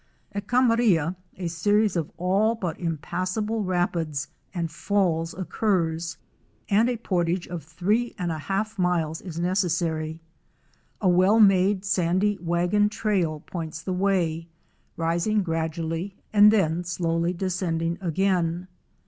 At Camaria a series of all but impassable rapids and falls occurs, and a portage of three and a half miles is neces sary. A well made sandy wagon trail points the way, rising gradually and then slowly descending again.